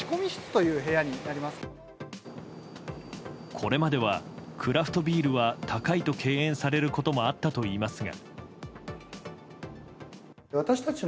これまではクラフトビールは高いと敬遠されることもあったといいますが。